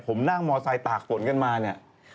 ผมนั่งมอไซคตากฝนกันมาเนี่ย